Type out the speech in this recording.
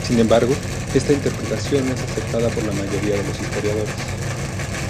Sin embargo, esta interpretación no es aceptada por la mayoría de los historiadores.